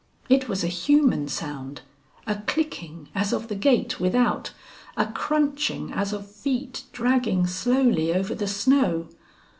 It was a human sound, a clicking as of the gate without, a crunching as of feet dragging slowly over the snow.